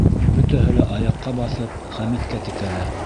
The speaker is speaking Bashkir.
Бөтәһе лә аяҡҡа баҫып Хәмиткә текәлә.